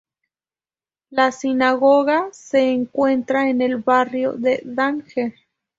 La sinagoga se encuentra en el barrio de Daher.